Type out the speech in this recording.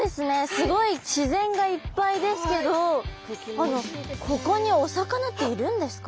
すごい自然がいっぱいですけどここにお魚っているんですか？